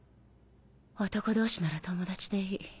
男同士なら友達でいい。